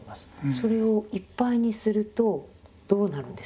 それをいっぱいにするとどうなるんですか？